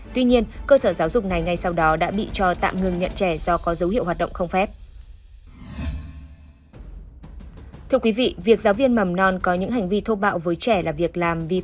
tuy nhiên cơ sở giáo dục này ngay sau đó đã bị cho tạm ngừng nhận trẻ do có dấu hiệu hoạt động không phép